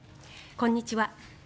こんにちは。